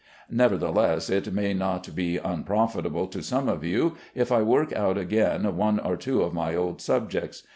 Nevertheless it may not be unprofitable to some of you, if I work out again one or two of my old subjects.